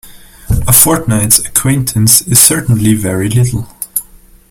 A fortnight's acquaintance is certainly very little.